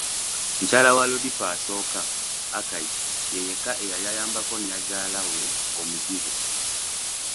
Mukyala wa Lodipo asooka, Akai, ye yeka eyali ayambako nyazaala we eyali omuzibe.